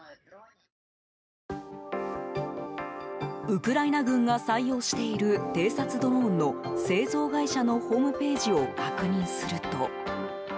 ウクライナ軍が採用している偵察ドローンの製造会社のホームページを確認すると。